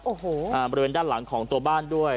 โอ้โหอ่าบริเวณด้านหลังของตัวบ้านด้วย